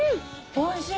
おいしい。